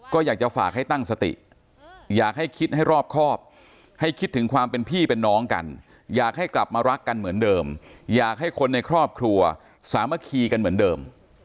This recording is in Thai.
ก็อยากจะฝากให้ตั้งสติอยากให้คิดให้รอบครอบให้คิดถึงความเป็นพี่เป็นน้องกันอยากให้กลับมารักกันเหมือนเดิมอยากให้คนในครอบครัวสามัคคีกันเหมือนเดิม